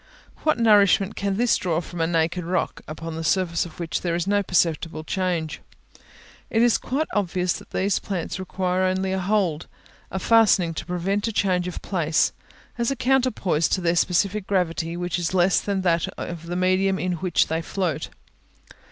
What nourishment can this draw from a naked rock, upon the surface of which there is no perceptible change? It is quite obvious that these plants require only a hold, a fastening to prevent a change of place, as a counterpoise to their specific gravity, which is less than that of the medium in which they float.